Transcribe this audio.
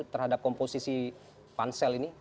terhadap komposisi pansel ini